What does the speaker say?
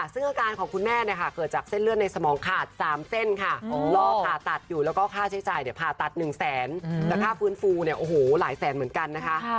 ซึ่งอาการของคุณแม่เกิดจากเส้นเลือดในสมองขาด๓เส้นค่ะรอผ่าตัดอยู่แล้วก็ค่าใช้จ่ายผ่าตัด๑แสนแต่ค่าฟื้นฟูเนี่ยโอ้โหหลายแสนเหมือนกันนะคะ